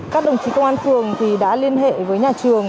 các đồng chí công an phường đã liên hệ với nhà trường